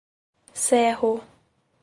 Serro